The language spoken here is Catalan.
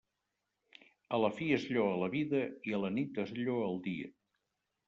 A la fi es lloa la vida, i a la nit es lloa el dia.